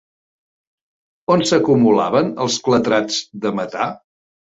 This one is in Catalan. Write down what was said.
On s'acumulaven els clatrats de metà?